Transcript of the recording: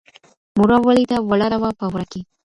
مورا ولیده ولاړه وه په وره کي